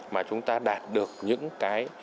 mà chúng ta đạt được những cái